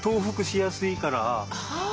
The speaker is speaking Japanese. あ。